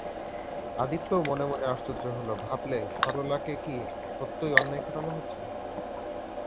আদিত্যও মনে মনে আশ্চর্য হল, ভাবলে সরলাকে কি সত্যিই অন্যায় খাটানো হচ্ছে।